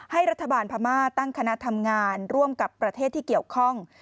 ให้รัฐบาลพม่าตั้งคณะทำงานร่วมกับประเทศที่เกี่ยวข้อง